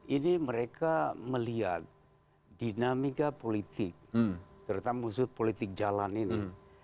ini mereka melihat dinamika politik terutama musuh politik jalan ini